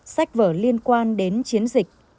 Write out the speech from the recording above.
sách vở liên quan đến chiến dịch